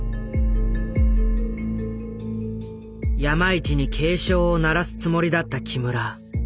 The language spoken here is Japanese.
山一に警鐘を鳴らすつもりだった木村。